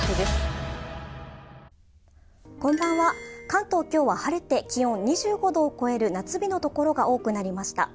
関東、今日は晴れて気温２５度を超える夏日のところが多くなりました。